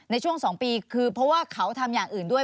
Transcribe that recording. ในช่วง๒ปีคือเพราะว่าเขาทำอย่างอื่นด้วย